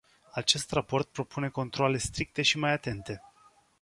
Acest raport propune controale stricte și mai atente.